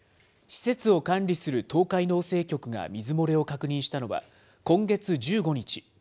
施設を管理する東海農政局が水漏れを確認したのは、今月１５日。